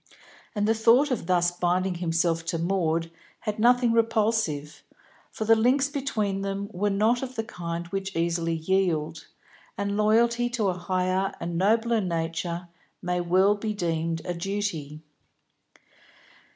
And the thought of thus binding himself to Maud had nothing repulsive, for the links between them were not of the kind which easily yield, and loyalty to a higher and nobler nature may well be deemed a duty.